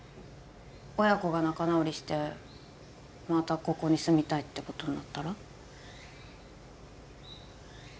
親子が仲直りしてまたここに住みたいってことになったら？